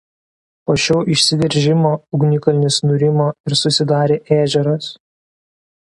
Po šio išsiveržimo ugnikalnis nurimo ir susidarė ežeras.